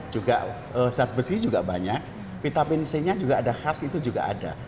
juga zat besi juga banyak vitamin c nya juga ada khas itu juga ada